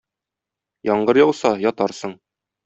Яңгыр яуса, ятарсың